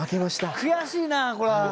悔しいなこれは。